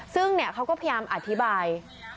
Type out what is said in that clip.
ซึ่งเขาก็พยายามอธิบาย